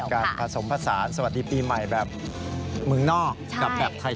การผสมผสานสวัสดีปีใหม่แบบเมืองนอกกับแบบไทย